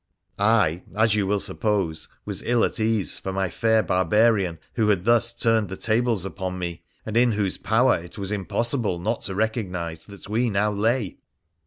I, as you will suppose, was ill at ease for my fair barbarian who had thus turned the tables upon me, and in whose power it was impossible not to recognise that we now lay.